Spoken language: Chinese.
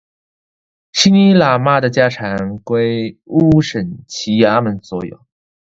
席尼喇嘛的家产归乌审旗衙门所有。